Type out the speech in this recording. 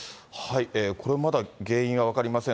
これ、まだ原因は分かりません。